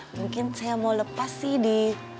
mungkin saya mau lepas sih di